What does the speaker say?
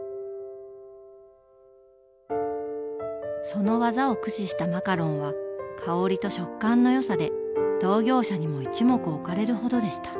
その技を駆使したマカロンは香りと食感の良さで同業者にも一目置かれるほどでした。